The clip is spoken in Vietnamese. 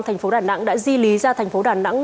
thành phố đà nẵng đã di lý ra thành phố đà nẵng